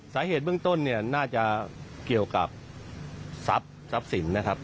สาเหตุเบื้องต้นน่าจะเกี่ยวกับทรัพย์สินนะครับ